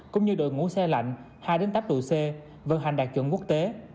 cũng như đội ngũ xe lạnh hai tám độ c vận hành đạt chuẩn quốc tế